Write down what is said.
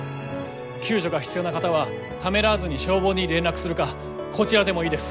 救助が必要な方はためらわずに消防に連絡するかこちらでもいいです。